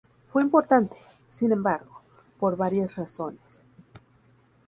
Fue importante, sin embargo, por varias razones.